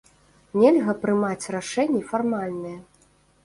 Нельга прымаць рашэнні фармальныя.